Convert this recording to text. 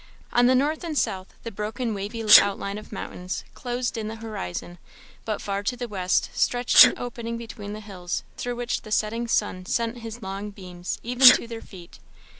On the north and south the broken wavy outline of mountains closed in the horizon; but far to the west stretched an opening between the hills, through which the setting sun sent his long beams, even to their feet.